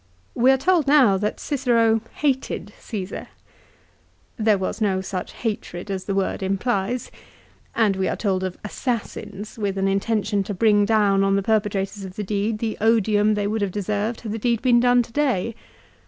We are told now that Cicero " hated " Csesar. There was no such hatred as the word implies. And we are told of "assassins" with an intention to bring down on the perpe trators of the deed the odium they would have deserved had the deed been done to day.